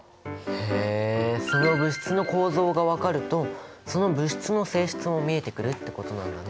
へえその物質の構造が分かるとその物質の性質も見えてくるってことなんだね。